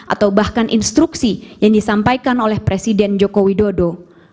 atau bahkan instruksi yang disampaikan oleh presiden joko widodo